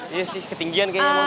iya sih ketinggian kayaknya